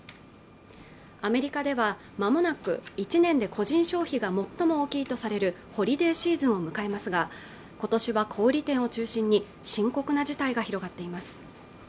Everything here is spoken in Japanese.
アメリカではまもなく１年で個人消費が最も大きいとされるホリデーシーズンを迎えますが今年は小売店を中心に深刻な事態が広がっています